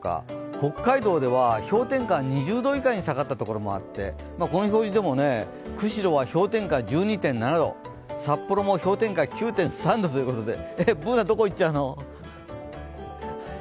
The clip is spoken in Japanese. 北海道では氷点下２０度以下に下がったところもあって、この表示でも釧路は氷点下１２．７度、札幌も氷点下９．３度ということで、Ｂｏｏｎａ、どこ行っちゃうの。